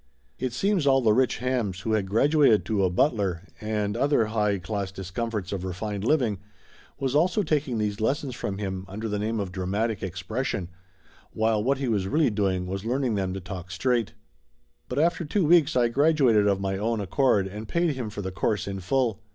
It seems all the rich hams who had graduated to a butler and other high 212 Laughter Limited class discomforts of refined living was also taking these lessons from him under the name of dramatic expression, while what he was really doing was learn ing them to talk straight. But after two weeks I grad uated of my own accord, and paid him for the course in full.